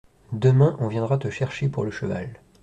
Demain, on viendra te chercher pour le cheval.